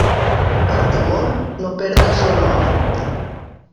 Per temor, no perdes l'honor.